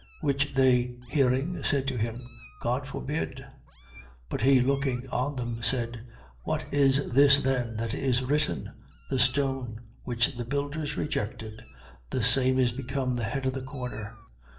Which they hearing, said to him: God forbid. 20:17. But he looking on them, said: What is this then that is written, The stone, which the builders rejected, the same is become the head of the corner?